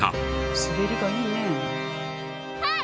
滑りがいいね。